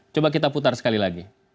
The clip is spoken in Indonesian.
coba kita putar sekali lagi